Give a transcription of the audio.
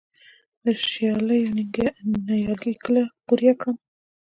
د شالیو نیالګي کله قوریه کړم؟